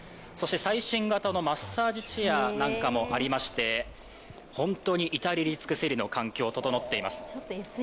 最新型のマッサージチェアなどもありまして、本当に至れり尽くせりの環境が整っています。